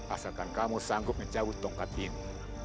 asalkan kamu sanggup mencabut tongkat itu